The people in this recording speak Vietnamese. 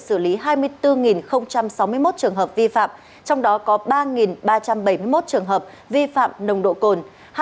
xử lý hai mươi bốn sáu mươi một trường hợp vi phạm trong đó có ba ba trăm bảy mươi một trường hợp vi phạm nồng độ cồn